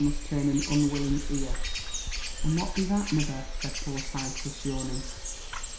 must turn an unwilling ear. *^ And what be that, mother?" said poor Titus, yawning.